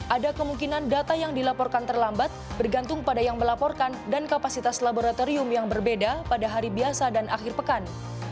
ada kemungkinan data yang dilaporkan terlambat bergantung pada yang melaporkan dan kapasitas laboratorium yang berbeda pada hari biasa dan akhir pekan